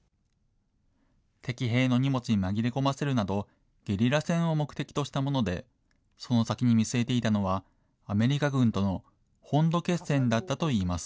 敵兵の荷物に紛れ込ませるなど、ゲリラ戦を目的としたもので、その先に見据えていたのは、アメリカ軍との本土決戦だったといいます。